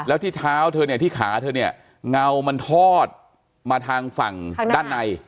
แล้วที่เท้าเธอเนี่ยที่ขาเธอเนี่ยเงามันทอดมาทางฝั่งด้านใน